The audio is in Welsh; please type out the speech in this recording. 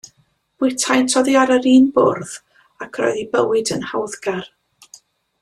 Bwytaent oddi ar yr un bwrdd, ac yr oedd eu bywyd yn hawddgar.